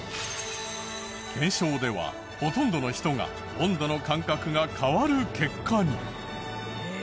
検証ではほとんどの人が温度の感覚が変わる結果に。